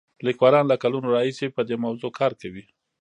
لیکوالان له کلونو راهیسې په دې موضوع کار کوي.